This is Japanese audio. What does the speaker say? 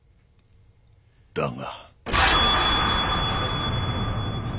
だが。